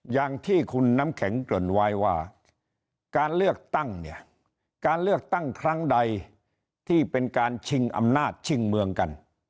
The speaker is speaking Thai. อย่างที่คุณน้ำแข็งเกริ่นไว้ว่าการเลือกตั้งเนี่ยการเลือกตั้งครั้งใดที่เป็นการชิงอำนาจชิงเมืองกัน